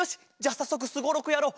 さっそくすごろくやろう。